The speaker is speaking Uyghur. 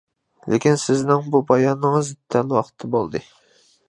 لېكىن سىزنىڭ بۇ بايانىڭىز دەل ۋاقتىدا بولدى.